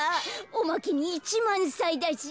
おまけに１まんさいだし。